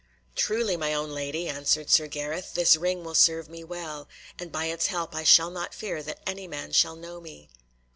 "Truly, my own lady," answered Sir Gareth, "this ring will serve me well, and by its help I shall not fear that any man shall know me."